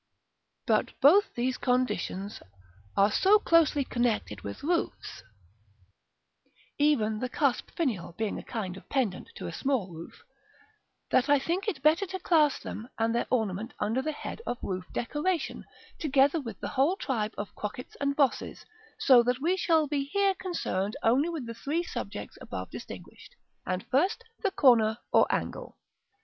But both these conditions are so closely connected with roofs (even the cusp finial being a kind of pendant to a small roof), that I think it better to class them and their ornament under the head of roof decoration, together with the whole tribe of crockets and bosses; so that we shall be here concerned only with the three subjects above distinguished: and, first, the corner or Angle.